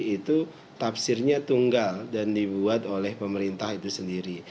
itu tafsirnya tunggal dan dibuat oleh pemerintah itu sendiri